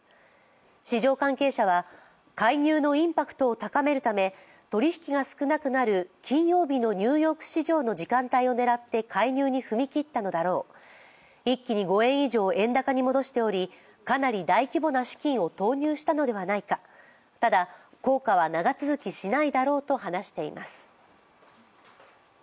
市場関係者は介入のインパクトを高めるため取り引きが少なくなる金曜日のニューヨーク市場の時間帯を狙って介入に踏み切ったのだろう、一気に５円以上円高に戻しておりかなり大規模な資金を投入したのではないか、ただ、効果は長続きしないだろうと話しています。